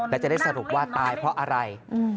และจะได้สรุปว่าตายเพราะอะไร